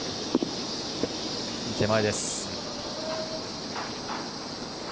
手前です。